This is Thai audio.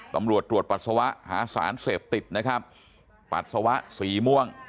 ตำรวจตรวจปัสสาวะหาสารเสพติดนะครับปัสสาวะสีม่วง